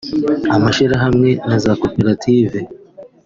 amashyirahamwe na za koperative